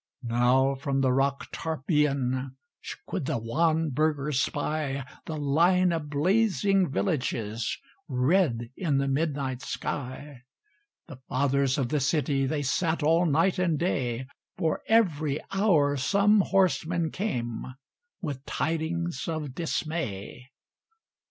Now from the rock Tarpeian Could the wan burghers spy The line of blazing villages Red in the midnight sky. The Fathers of the City, They sat all night and day, For every hour some horseman came With tidings of dismay.